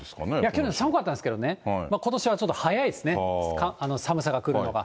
去年寒かったんですけどね、ことしはちょっと早いですね、寒さが来るのが。